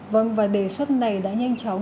vâng và đề xuất này đã nhanh chóng